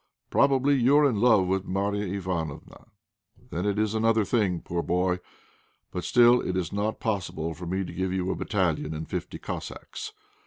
Probably you are in love with Marya Ivánofna. Then it is another thing. Poor boy! But still it is not possible for me to give you a battalion and fifty Cossacks.